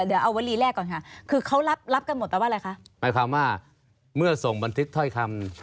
เดี๋ยวเอาวันนี้แรกก่อนค่ะ